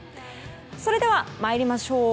それでは参りましょう。